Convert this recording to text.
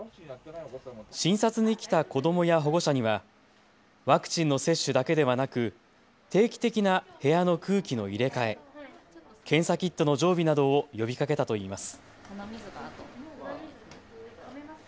診察に来た子どもや保護者にはワクチンの接種だけではなく定期的な部屋の空気の入れ換え検査キットの常備などを呼びかけたといいます。